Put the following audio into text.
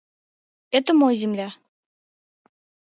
Это мой земля.